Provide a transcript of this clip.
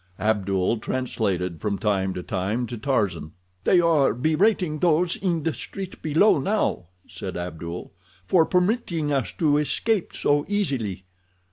Abdul translated from time to time to Tarzan. "They are berating those in the street below now," said Abdul, "for permitting us to escape so easily.